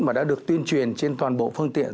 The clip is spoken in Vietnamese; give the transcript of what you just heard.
mà đã được tuyên truyền trên toàn bộ phương tiện